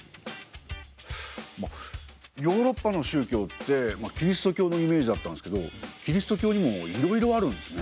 まあヨーロッパの宗教ってキリスト教のイメージだったんすけどキリスト教にもいろいろあるんですね。